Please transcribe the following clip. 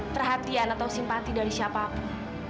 perhatian atau simpati dari siapapun